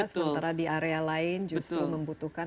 sementara di area lain justru membutuhkan